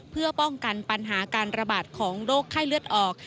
เพื่อป้องกันปัญหาการระบาดของโรคไข้เลือดออก